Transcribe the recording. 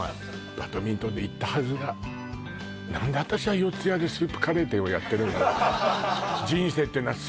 バドミントンで行ったはずが何で私は四谷でスープカレー店をやってるんだろう